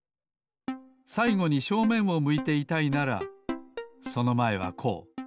さいごに正面を向いていたいならそのまえはこう。